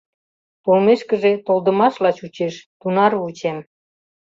Толмешкыже толдымашла чучеш — тунар вучем.